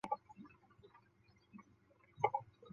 喜多诚一为昭和时代的日本陆军军人。